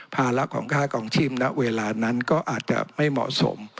ภาระของค่ากองชีพณเวลานั้นก็อาจจะไม่เหมาะสม